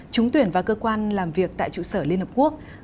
chúng tuyển và cơ quan làm việc tại chủ sở liên hợp quốc